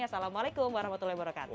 assalamualaikum warahmatullahi wabarakatuh